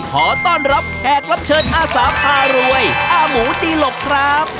ขอต้อนรับแขกรับเชิญอาสาพารวยอาหมูตีหลกครับ